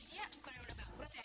iya bukan yang udah bangkrut ya